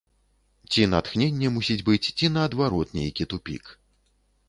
Ці натхненне мусіць быць, ці наадварот нейкі тупік.